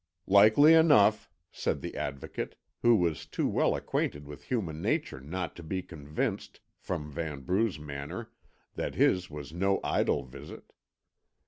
"Likely enough," said the Advocate, who was too well acquainted with human nature not to be convinced, from Vanbrugh's manner, that his was no idle visit.